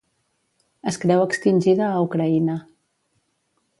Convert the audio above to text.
Es creu extingida a Ucraïna.